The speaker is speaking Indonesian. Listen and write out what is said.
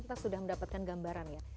pemirsa jangan kemana mana